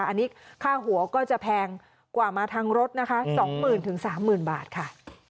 อันนี้ค่าหัวก็จะแพงกว่ามาทางรถนะคะ๒๐๐๐๓๐๐บาทค่ะ